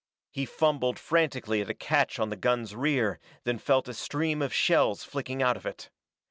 He fumbled frantically at a catch at the gun's rear, then felt a stream of shells flicking out of it.